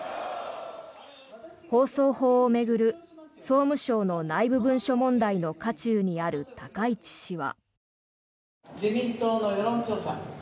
放送法を巡る総務省の内部文書問題の渦中にある高市氏は。